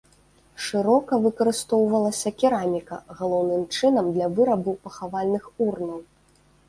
Шырока выкарыстоўвалася кераміка, галоўным чынам для вырабу пахавальных урнаў.